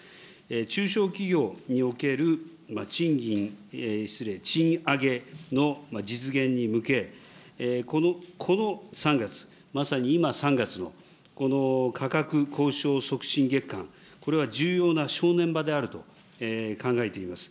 中小企業における賃金、失礼、賃上げの実現に向け、この３月、まさに今３月の、この価格交渉促進月間、これは重要な正念場であると考えています。